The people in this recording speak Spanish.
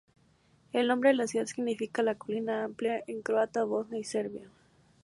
El nombre de la ciudad significa "la colina amplia" en croata, bosnio y serbio.